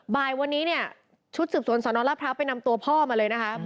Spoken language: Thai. บ่ายวันนี้ชุดสูบสวนสนราภร้าวไปนำตัวพ่อมาเลยนะครับ